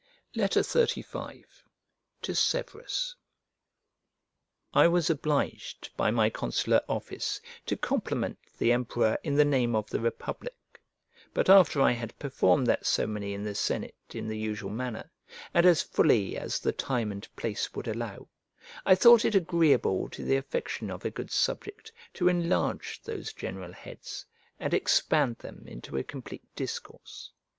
Farewell. XXXV To SEVERUS I WAS obliged by my consular office to compliment the emperor in the name of the republic; but after I had performed that ceremony in the senate in the usual manner, and as fully as the time and place would allow, I thought it agreeable to the affection of a good subject to enlarge those general heads, and expand them into a complete discourse.